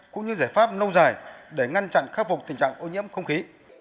cũng như giải pháp nâu dài để ngăn chặn khắc phục tình trạng ô nhiễm không khí